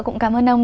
cũng cảm ơn ông